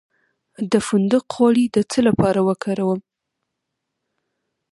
د فندق غوړي د څه لپاره وکاروم؟